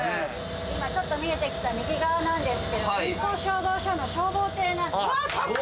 今ちょっと見えてきた右側なんですけど臨港消防署の消防艇なんです。